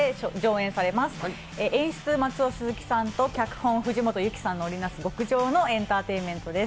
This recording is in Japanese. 演出・松尾スズキさんと脚本・藤本有紀さんが織りなす極上のエンターテインメントです。